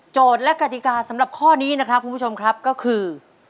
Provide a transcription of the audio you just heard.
และกติกาสำหรับข้อนี้นะครับคุณผู้ชมครับก็คือ